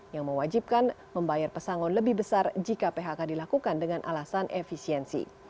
yang mewajibkan membayar pesangon lebih besar jika phk dilakukan dengan alasan efisiensi